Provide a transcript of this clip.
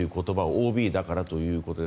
ＯＢだからということで。